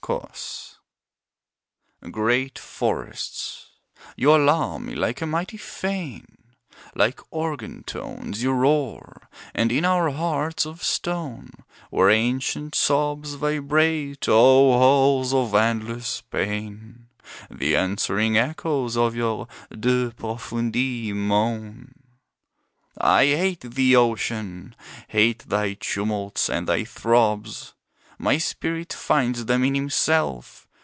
Obsession Great forests, you alarm me like a mighty fane; Like organ tones you roar, and in our hearts of stone, Where ancient sobs vibrate, O halls of endless pain! The answering echoes of your "De Profundis" moan. I hate thee, Ocean! hate thy tumults and thy throbs, My spirit finds them in himself.